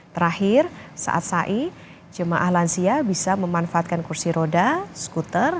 terakhir saat sai jemaah lansia bisa memanfaatkan kursi roda skuter